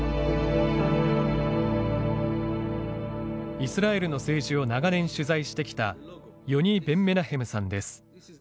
イスラエルの政治を長年取材してきたヨニ・ベンメナヘムさんです。